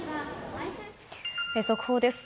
速報です。